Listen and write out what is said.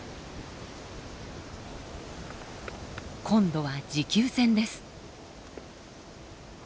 今度は持久戦です。